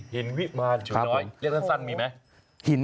หินหิบมารใช่ไหม